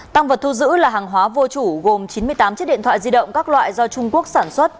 tăng vật thu giữ là hàng hóa vô chủ gồm chín mươi tám chiếc điện thoại di động các loại do trung quốc sản xuất